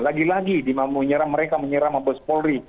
lagi lagi mereka menyeram abbas polri